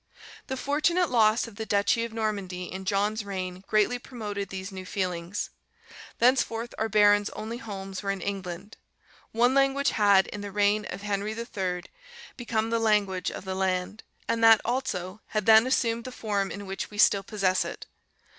The fortunate loss of the Duchy of Normandy in John's reign greatly promoted these new feelings. Thenceforth our barons' only homes were in England. One language had, in the reign of Henry III., become the language of the land; and that, also, had then assumed the form in which we still possess it.